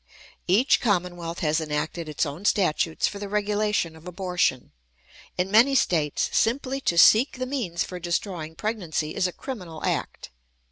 _" Each commonwealth has enacted its own statutes for the regulation of abortion. In many states, simply to seek the means for destroying pregnancy is a criminal act.